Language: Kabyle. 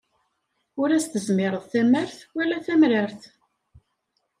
Ur as-tezmir tamart, wala temrart.